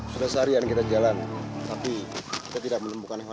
cepat perintahkan akoda untuk segera berbalik arah